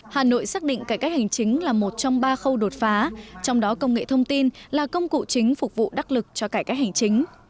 hà nội xác định cải cách hành chính là một trong ba khâu đột phá trong đó công nghệ thông tin là công cụ chính phục vụ đắc lực cho cải cách hành chính